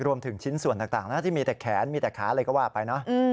รวมถึงชิ้นส่วนต่างนะที่มีแต่แขนมีแต่ขาอะไรก็ว่าไปเนอะ